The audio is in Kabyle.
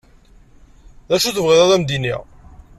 Acu tebɣiḍ ad am-d-iniɣ?